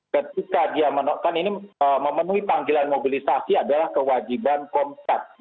ketika dia menolakkan ini memenuhi panggilan mobilisasi adalah kewajiban komcat